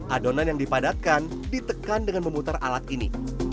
adonan yang dipadatkan ditekan dengan memutar alat ini